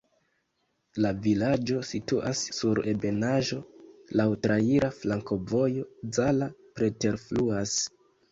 La vilaĝo situas sur ebenaĵo, laŭ traira flankovojo, Zala preterfluas.